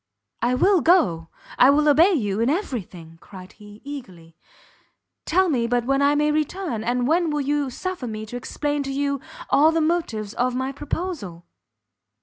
"I will go, I will obey you in every thing!" cried he, eagerly, "tell me but when I may return, and when you will suffer me to explain to you all the motives of my proposal?"